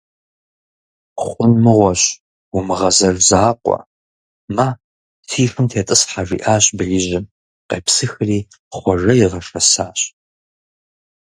Хъун мыгъуэщ, умыгъэзэж закъуэ, мэ си шым тетӀысхьэ, - жиӀэщ беижьми, къепсыхри Хъуэжэ игъэшэсащ.